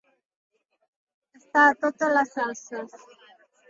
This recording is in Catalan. Estar a totes les salses.